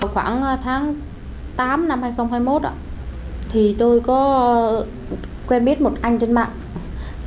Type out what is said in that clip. khoảng tháng tám năm hai nghìn hai mươi một thì tôi có quen biết một anh trên mạng